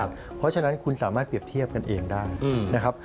เพราะฉะนั้นคุณสามารถเปรียบเทียบกันเองได้นะครับ